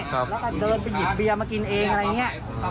แล้วก็เดินไปหยิบเบียร์มากินเองอะไรอย่างนี้